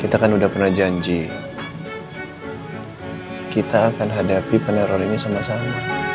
kita kan udah pernah janji kita akan hadapi peneror ini sama sama